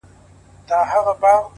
پوهه د غوره راتلونکي رڼا ده!